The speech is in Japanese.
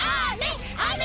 あめ！